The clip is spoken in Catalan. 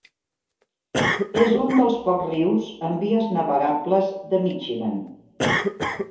És un dels pocs rius amb vies navegables de Michigan.